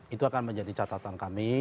itu akan menjadi catatan kami